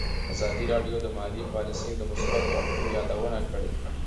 ازادي راډیو د مالي پالیسي د مثبتو اړخونو یادونه کړې.